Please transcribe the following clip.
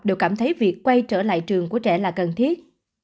đều cảm thấy việc quay trở lại trường của trẻ là cần thiết